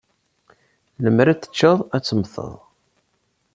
Lemmer ad t-teččeḍ, ad temmteḍ.